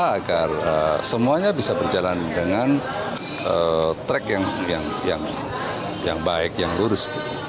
agar semuanya bisa berjalan dengan track yang baik yang lurus